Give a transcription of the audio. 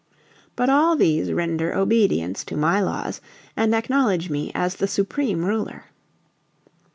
But all these render obedience to my laws and acknowledge me as the supreme Ruler."